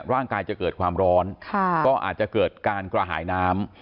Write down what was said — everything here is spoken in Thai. ร่างกายจะเกิดความร้อนก็อาจจะเกิดการกระหายน้ำ